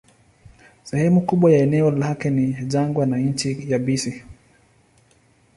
Sehemu kubwa ya eneo lake ni jangwa na nchi yabisi.